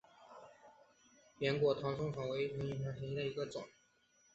扁果唐松草为毛茛科唐松草属下的一个变种。